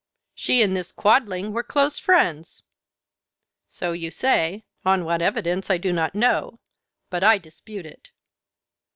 "She and this Quadling were close friends." "So you say. On what evidence I do not know, but I dispute it."